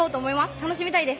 楽しみたいです！